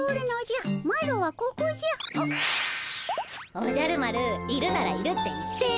おじゃる丸いるならいるって言ってよ。